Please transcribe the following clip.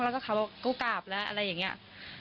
แล้วก็เขาก็กลับแล้วอะไรอย่างเงี้ย